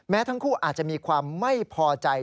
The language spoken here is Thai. ทั้งคู่อาจจะมีความไม่พอใจ